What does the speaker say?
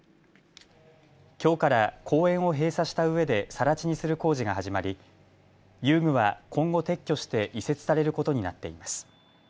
きょうから公園を閉鎖したうえでさら地にする工事が始まり遊具は今後、撤去して移設されることになっています。